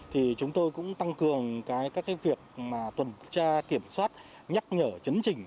thì chúng tôi cũng tăng cường các việc tuần tra kiểm soát nhắc nhở chấn trình